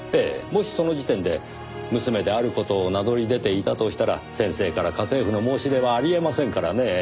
もしその時点で娘である事を名乗り出ていたとしたら先生から家政婦の申し出はありえませんからねえ。